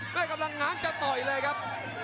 ประโยชน์ทอตอร์จานแสนชัยกับยานิลลาลีนี่ครับ